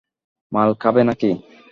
মাল খাবে নাকি?